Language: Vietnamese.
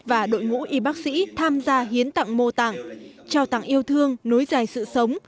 và đội ngũ y bác sĩ tham gia hiến tặng mô tạng trao tặng yêu thương nối dài sự sống